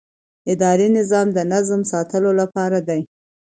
اداري نظام د نظم ساتلو لپاره دی.